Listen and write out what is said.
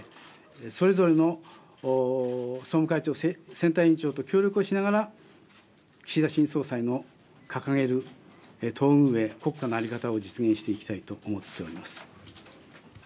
それぞれの総務会長選対委員長と協力しながら岸田新総裁の掲げる党運営、国家の在り方を実現していきたいと思っております。